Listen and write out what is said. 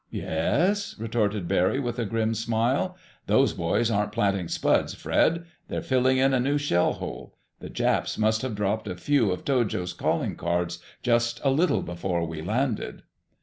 "Yes?" retorted Barry with a grim smile. "Those boys aren't planting spuds, Fred; they're filling in a new shell hole. The Japs must have dropped a few of Tojo's calling cards just a little before we landed."